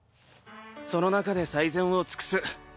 その中で最善を尽くす。